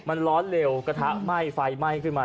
มันร้อนเร็วกระทะไหม้ไฟไหม้ขึ้นมา